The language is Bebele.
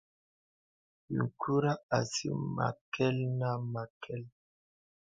Nyiŋkùrə asì məkɛl nə məkɛl.